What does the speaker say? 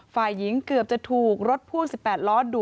ฝ่ายหญิงเกือบจะถูกรถพ่วง๑๘ล้อดู